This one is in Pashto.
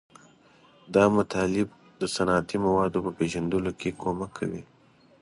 دا مطالب د صنعتي موادو په پیژندلو کې کومک کوي.